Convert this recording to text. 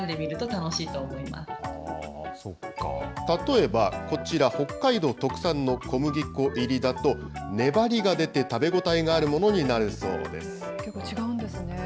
例えば、こちら、北海道特産の小麦粉入りだと、粘りが出て、食べ応えがあるものになるそうです。